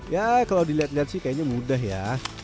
ya kalau dilihat lihat sih kayaknya mudah ya